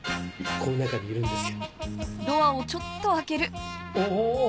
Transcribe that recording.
この中にいるんですよ。